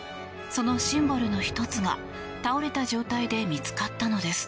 そのシンボルの１つが倒れた状態で見つかったのです。